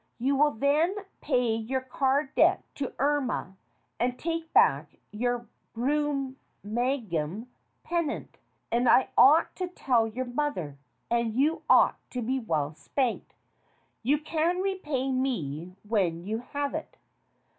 You will then pay your card debt to Irma and take back your Brum magem pendant. And I ought to tell your mother, and you ought to be well spanked. You can repay me when you have it."